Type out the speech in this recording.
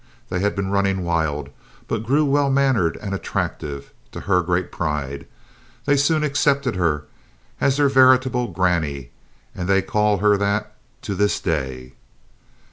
They had been running wild, but grew well mannered and attractive, to her great pride. They soon accepted her as their veritable "grannie," and they call her that to this day.